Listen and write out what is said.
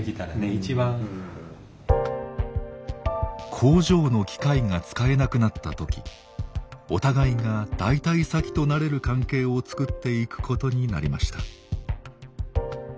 工場の機械が使えなくなった時お互いが代替先となれる関係を作っていくことになりました。